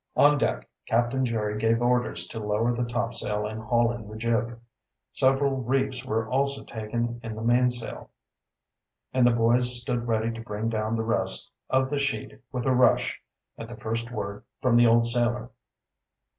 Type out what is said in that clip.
On deck Captain Jerry gave orders to lower the topsail and haul in the jib. Several reefs were also taken in the mainsail, and the boys stood ready to bring down the rest of the sheet with a rush at the first word from the old sailor.